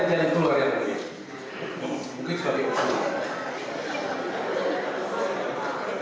mungkin sebagai usul